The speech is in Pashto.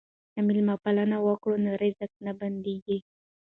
که مېلمه پالنه وکړو نو رزق نه بندیږي.